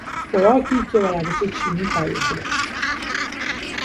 خوراکی که به روش چینی تهیه شده است